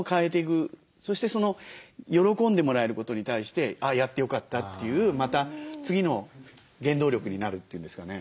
そしてその喜んでもらえることに対してあやってよかったというまた次の原動力になるというんですかね。